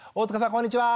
こんにちは。